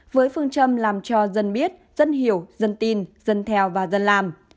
với phương châm làm cho dân biết dân hiểu dân tin dân theo và dân làm